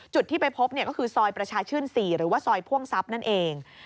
จุดที่ไปพบก็คือซอยประชาชื่น๔หรือว่าซอยพ่วงทรัพย์นั่นเอง